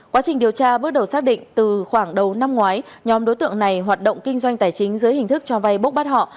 quá trình điều tra bước đầu xác định từ khoảng đầu năm ngoái nhóm đối tượng này hoạt động kinh doanh tài chính dưới hình thức cho vay bốc bắt họ